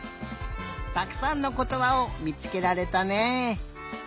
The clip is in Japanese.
たくさんのことばをみつけられたね。